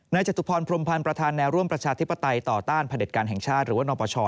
ในจัตรุภรพรมพันธ์ประธานแนวร่วมประชาธิปไตยต่อต้านผลิตการแห่งชาติหรือว่านอบประชอ